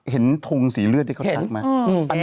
ถุงสีเลือดที่เขาซักไหม